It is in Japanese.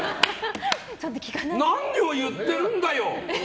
何を言ってるんだよ！